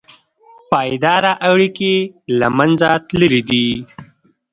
پایداره اړیکې له منځه تللي دي.